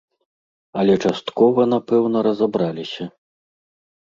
Але часткова, напэўна, разабраліся.